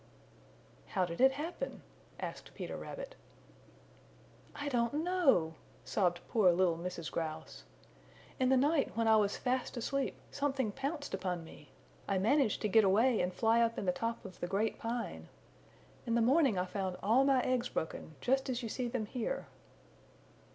"How did it happen?" asked Peter Rabbit. "I don't know," sobbed poor little Mrs. Grouse. "In the night when I was fast asleep something pounced upon me. I managed to get away and fly up in the top of the Great Pine. In the morning I found all my eggs broken, just as you see them here."